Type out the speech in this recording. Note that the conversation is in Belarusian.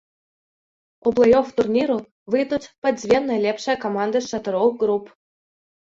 У плэй-оф турніру выйдуць па дзве найлепшыя каманды з чатырох груп.